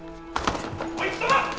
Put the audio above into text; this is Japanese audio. おい貴様！